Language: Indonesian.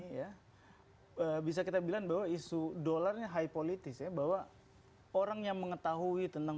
ya bisa kita bilang bahwa isu dolarnya high politis ya bahwa orang yang mengetahui tentang